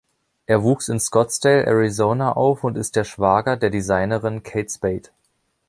Er wuchs in Scottsdale, Arizona, auf und ist der Schwager der Designerin Kate Spade.